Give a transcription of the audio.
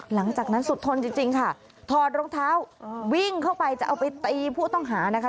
หลังจากนั้นสุดทนจริงค่ะถอดรองเท้าวิ่งเข้าไปจะเอาไปตีผู้ต้องหานะคะ